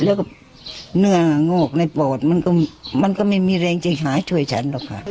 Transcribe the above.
แล้วก็เนื้องอกในปอดมันก็ไม่มีแรงจะหาช่วยฉันหรอกค่ะ